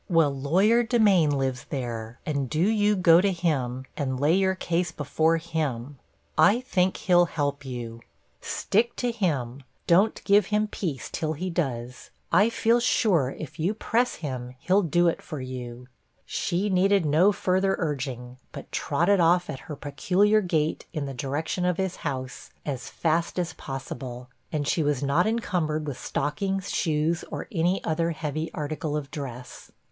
'Well, lawyer Demain lives there, and do you go to him, and lay your case before him; I think he'll help you. Stick to him. Don't give him peace till he does. I feel sure if you press him, he'll do it for you.' She needed no further urging, but trotted off at her peculiar gait in the direction of his house, as fast as possible, and she was not encumbered with stockings, shoes, or any other heavy article of dress.